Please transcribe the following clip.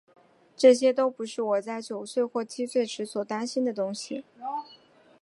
这些都不是我在九岁或七岁时所担心的东西。